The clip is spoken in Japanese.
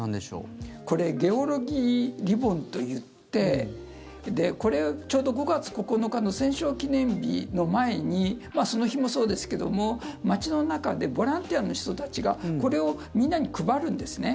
これゲオルギー・リボンといってちょうど５月９日の戦勝記念日の前にその日もそうですけども街の中でボランティアの人たちがこれをみんなに配るんですね。